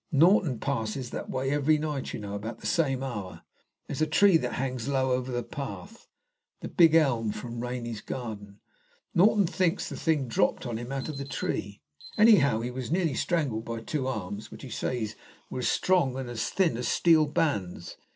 Norton passes that way every night, you know, about the same hour. There's a tree that hangs low over the path the big elm from Rainy's garden. Norton thinks the thing dropped on him out of the tree. Anyhow, he was nearly strangled by two arms, which, he says, were as strong and as thin as steel bands.